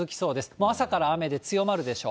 もう朝から雨で強まるでしょう。